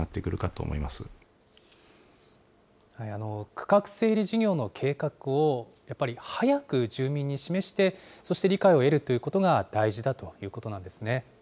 区画整理事業の計画をやっぱり早く住民に示して、そして理解を得るということが大事だということなんですね。